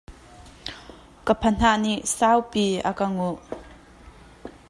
Ka phanah nih saupi a ka nguh.